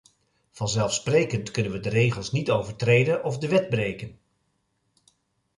Vanzelfsprekend kunnen we de regels niet overtreden of de wet breken.